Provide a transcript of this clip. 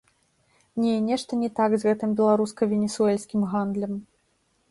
Не, нешта не так з гэтым беларуска-венесуэльскім гандлем.